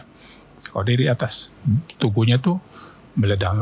kalau dari atas tubuhnya itu meledak